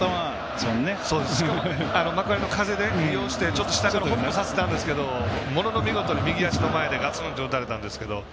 しかも幕張の風を利用して下からホップさせたんですけどものの見事に右足の前でガツンと打たれたんですけど。